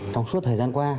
trong suốt thời gian qua